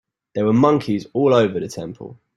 There were monkeys all over the temple.